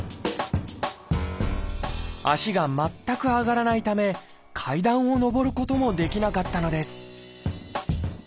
足が全く上がらないため階段を上ることもできなかったのです